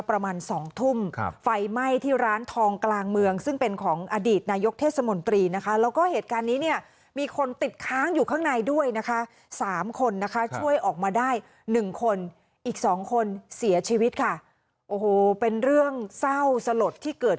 ประมาณสองทุ่มครับ